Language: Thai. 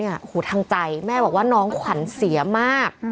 โอ้โหทางใจแม่บอกว่าน้องขวัญเสียมาก